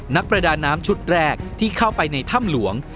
นักประดาน้ำชุดแรกที่เข้าไปในถ้ำหลวง